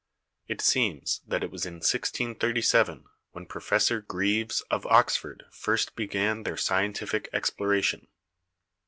It seems that it was in 1637 when Professor Greaves of Oxford first began their scientific ex ploration.